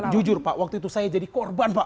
jujur pak waktu itu saya jadi korban pak